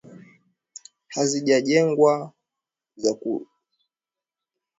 hazikujengwa za kudumuInkajijik nyumba hizo zina umbo la nyota au mviringo na hujengwa